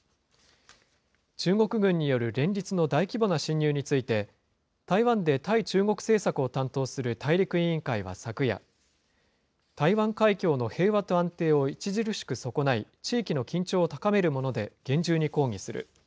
中国軍による連日の大規模な進入について、台湾で対中国政策を担当する大陸委員会は昨夜、台湾海峡の平和と安定を著しく損ない、地域の緊張を高めるもので、厳重に抗議する。